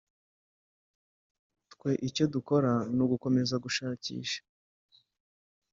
twe icyo dukora ni ugukomeza gushakisha”